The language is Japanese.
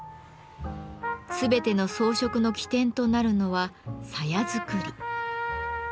全ての装飾の起点となるのは鞘作り。